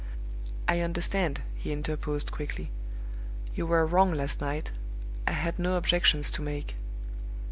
"I understand," he interposed, quickly. "You were wrong last night. I had no objections to make."